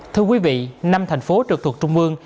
thưa quý vị năm thành phố trực thuộc trung ương